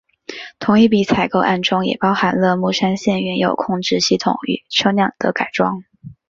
同一笔采购案中也包含了木栅线原有控制系统与车辆的改装。